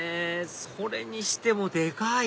それにしてもでかい！